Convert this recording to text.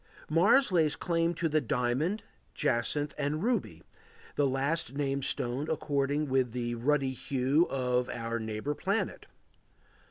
Mars lays claim to the diamond, jacinth, and ruby, the last named stone according with the ruddy hue of our neighbor planet.